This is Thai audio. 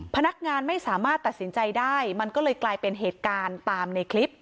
พนักงานไม่สามารถตัดสินใจได้มันก็เลยกลายเป็นเหตุการณ์ตามในคลิป